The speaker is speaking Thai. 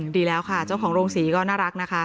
ดีแล้วค่ะเจ้าของโรงศรีก็น่ารักนะคะ